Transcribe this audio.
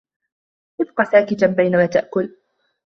ابق ساكتا بينما نأكل.